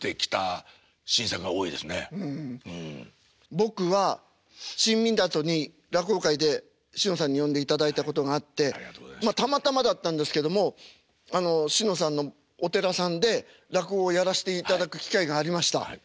僕は新湊に落語会でしのさんに呼んでいただいたことがあってたまたまだったんですけどもしのさんのお寺さんで落語をやらしていただく機会がありました。